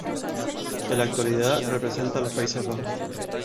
En la actualidad representa a los Países Bajos.